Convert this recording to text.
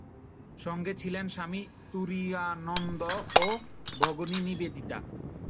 সঙ্গে ছিলেন স্বামী তুরীয়ানন্দ ও ভগিনী নিবেদিতা।